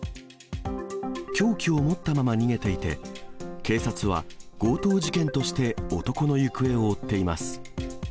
凶器を持ったまま逃げていて、警察は強盗事件として男の行方を追っています。